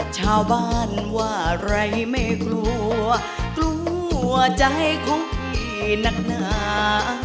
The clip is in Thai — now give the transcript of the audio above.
ชาวบ้านว่าอะไรไม่กลัวกลัวใจของพี่นักหนา